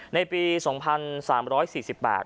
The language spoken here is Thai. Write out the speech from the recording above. ในปี๒๓๔๘ปี